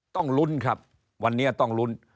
ต้องลุ้นครับวันนี้ต้องลุ้น